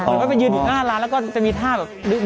เหมือนว่าไปยืนอยู่หน้าร้านแล้วก็จะมีท่าแบบ